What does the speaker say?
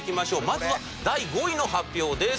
まずは第５位の発表です。